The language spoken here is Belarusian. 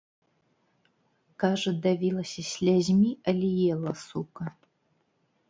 Кажа, давілася слязьмі, але ела, сука.